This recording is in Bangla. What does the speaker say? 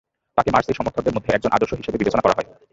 তাকে মার্সেই সমর্থকদের মধ্যে একজন আদর্শ হিসেবে বিবেচনা করা হয়।